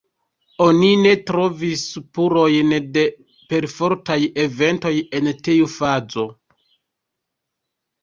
Oni ne trovis spurojn de perfortaj eventoj en tiu fazo.